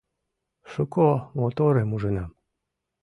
Шуко моторым ужынам